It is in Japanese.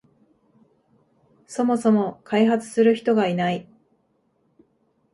そもそも開発する人がいない